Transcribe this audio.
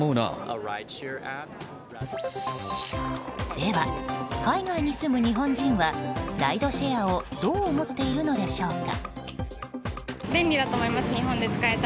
では、海外に住む日本人はライドシェアをどう思っているのでしょうか。